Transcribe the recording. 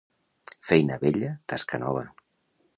Feina vella, tasca nova.